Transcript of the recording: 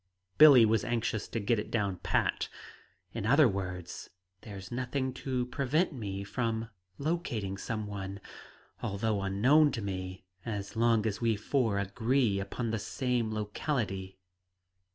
Billie was anxious to get it down pat. "In other words, there's nothing to prevent me from locating some one, although unknown to me, so long as we four agree upon the same locality?"